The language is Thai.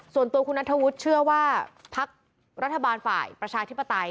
ส่วนตัวคุณนัทธวุฒิเชื่อว่าพักรัฐบาลฝ่ายประชาธิปไตย